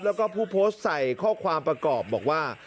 แล้วก็ผู้โพสต์ใส่ข้อความประกอบบอกว่า